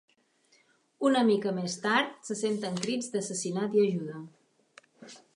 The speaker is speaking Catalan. Una mica més tard, se senten crits d'"assassinat" i "ajuda".